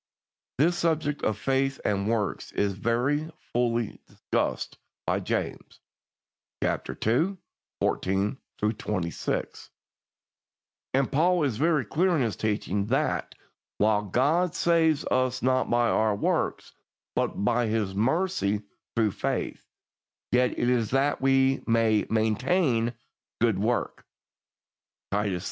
This subject of faith and works is very fully discussed by James (chap. ii. 14 26), and Paul is very clear in his teaching that, while God saves us not by our works, but by His mercy through faith, yet it is that we may "maintain good work" (Titus iii.